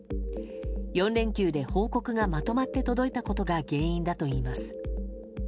４連休で報告がまとまって届いたことが原因だといいます。